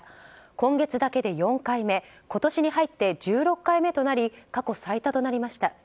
今月だけで４回目今年に入って１６回目となり過去最多となりました。